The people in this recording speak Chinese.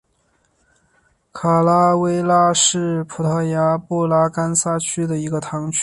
卡拉韦拉什是葡萄牙布拉干萨区的一个堂区。